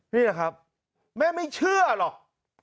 นี่แหละครับแม่ไม่เชื่อหรอก